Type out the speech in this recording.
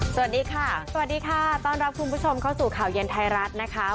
สวัสดีค่ะสวัสดีค่ะต้อนรับคุณผู้ชมเข้าสู่ข่าวเย็นไทยรัฐนะคะ